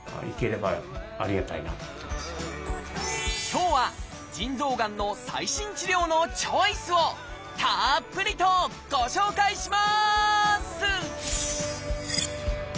今日は「腎臓がん」の最新治療のチョイスをたっぷりとご紹介します！